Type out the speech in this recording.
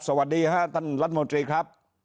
สวัสดีครับท่านรัฐมนตรีครับ